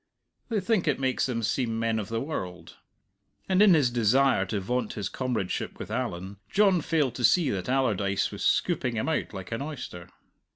They think it makes them seem men of the world. And in his desire to vaunt his comradeship with Allan, John failed to see that Allardyce was scooping him out like an oyster.